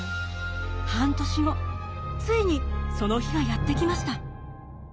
半年後ついにその日がやって来ました。